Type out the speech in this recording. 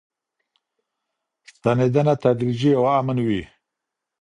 ستنېدنه تدریجي او امن وي.